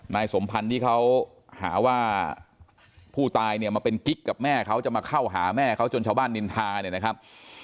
นายสมพันธ์ที่เขาหาว่าผู้ตายเนี่ยมาเป็นกิ๊กกับแม่เขาจะมาเข้าหาแม่เขาจนชาวบ้านนินทาเนี่ยนะครับ